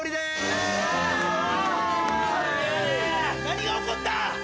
何が起こった！？